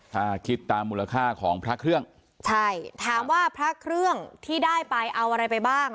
ถ้าคิดตามมูลค่าของพระเครื่องใช่ถามว่าพระเครื่องที่ได้ไปเอาอะไรไปบ้าง